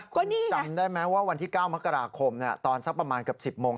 ก็นี่จำได้ไหมว่าวันที่๙มกราคมตอนสักประมาณเกือบ๑๐โมง